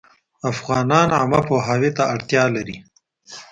افغانان عامه پوهاوي ته اړتیا لري